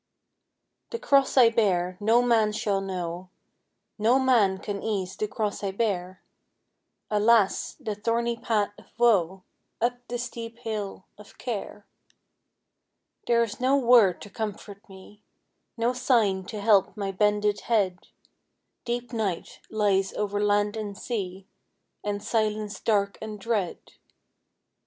The cross I bear no man shall know No man can ease the cross I bear! Alas! the thorny path of woe Up the steep hill of care! There is no word to comfort me; No sign to help my bended head; Deep night lies over land and sea, And silence dark and dread.